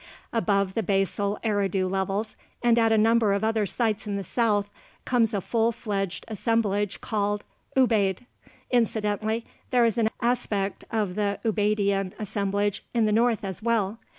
Above the basal Eridu levels, and at a number of other sites in the south, comes a full fledged assemblage called Ubaid. Incidentally, there is an aspect of the Ubaidian assemblage in the north as well.